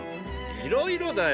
いろいろだよ。